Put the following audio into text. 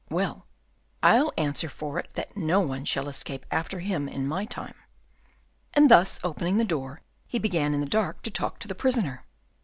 Well, I'll answer for it that no one shall escape after him in my time." And thus opening the door, he began in the dark to talk to the prisoner.